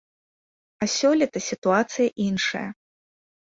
А сёлета сітуацыя іншая.